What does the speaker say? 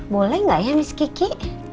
boleh gak ya miss kiki